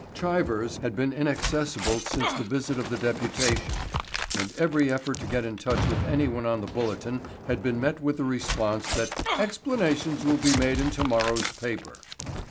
Chilvers had been inaccessible since the visit of the deputation and every effort to get in touch with anyone on the Bulletin had been met with the response that "explanations will be made in tomorrow's paper."